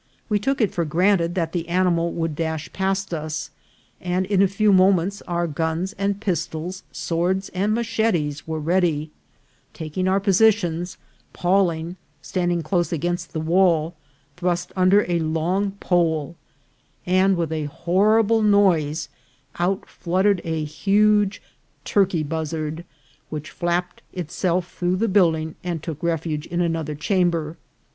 We took it for granted 'that the animal would dash past us, and in a few moments our guns and pistols, swords and machetes, were ready ; taking our positions, Pawling, standing close against the wall, thrust under a long pole, and with a horrible noise out fluttered a huge turkey buzzard, which flapped itself through the build ing and took refuge in another chamber.